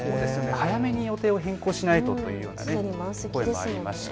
早めに予定を変更しないとという声もありました。